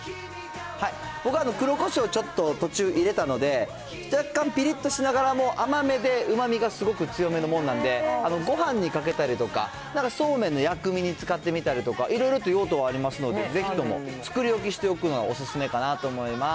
僕は黒こしょうをちょっと途中、入れたので、若干ぴりっとしながらも、甘めでうまみがすごく強めのもんなので、ごはんにかけたりとか、なんか、そうめんの薬味に使ってみたりとか、いろいろと用途はありますので、ぜひとも作り置きしておくのがおすすめかなと思います。